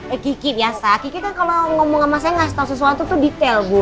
eh kiki ya sakiki kan kalau ngomong sama saya ngasih tau sesuatu tuh detail bu